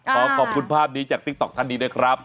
ขอขอบคุณภาพนี้จากติ๊กต๊อกท่านนี้ด้วยครับ